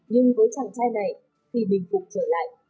nhưng với chàng trai này khi mình phục trở lại